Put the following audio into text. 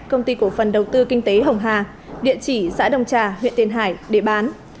công ty cổ phần đầu tư kinh tế hồng hà địa chỉ xã đồng trà huyện tiền hải để bán